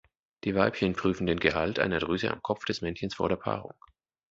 Die Weibchen prüfen den Gehalt einer Drüse am Kopf des Männchens vor der Paarung.